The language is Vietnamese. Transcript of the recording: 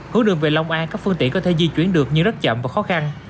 hướng đường về long an các phương tiện có thể di chuyển được nhưng rất chậm và khó khăn